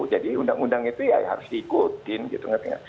jadi undang undang itu ya harus diikutin gitu ngerti nggak